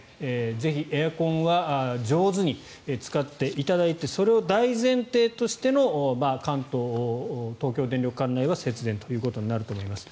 ぜひ、エアコンは上手に使っていただいてそれを大前提としての関東、東京電力管内は節電ということになると思います。